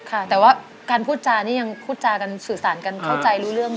ค่ะแต่ว่าการพูดจานี่ยังพูดจากันสื่อสารกันเข้าใจรู้เรื่อง